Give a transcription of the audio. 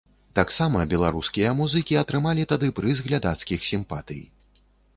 Таксама беларускія музыкі атрымалі тады прыз глядацкіх сімпатый.